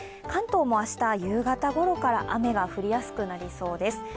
関東も明日、夕方ごろから雨が降りやすくなりそうです。